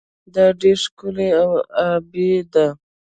دا ډیره ښکلې او ابي ده.